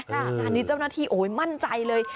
อันนี้เจ้าหน้าที่มั่นใจเลย